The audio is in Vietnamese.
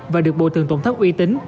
và được bộ thường tổn thất uy tín